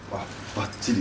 ばっちり。